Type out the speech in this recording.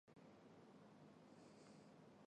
经考古发掘出土不少文物。